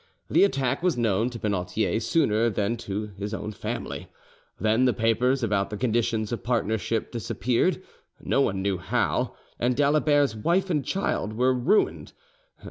The attack was known to Penautier sooner than to his own family: then the papers about the conditions of partnership disappeared, no one knew how, and d'Alibert's wife and child were ruined.